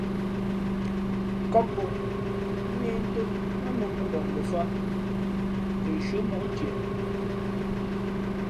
Kǒppǒʼ nē ntōm nά mᾱŋū mbakngofāt tα nshʉ́ά móʼ ntieʼ.